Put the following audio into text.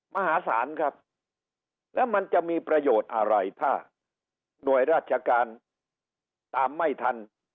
มหาศาลครับแล้วมันจะมีประโยชน์อะไรถ้าหน่วยราชการตามไม่ทัน